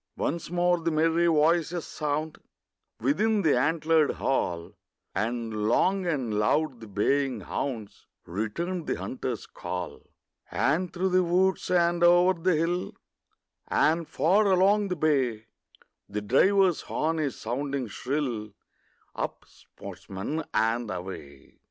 Once more the merry voices sound Within the antlered hall, And long and loud the baying hounds Return the hunter's call; And through the woods, and o'er the hill, And far along the bay, The driver's horn is sounding shrill, Up, sportsmen, and away!